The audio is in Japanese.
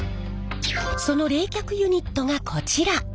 その冷却ユニットがこちら！